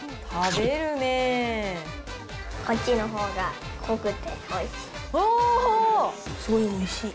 こっちのほうが濃くておいしい。